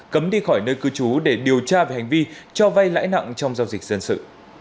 cấm đi khỏi nơi cư trú để điều tra về hành vi cho vay lãi nặng trong giao dịch dân sự